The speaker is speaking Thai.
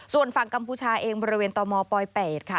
ส่วนฝั่งกัมพูชาเองบริเวณตมป๘ค่ะ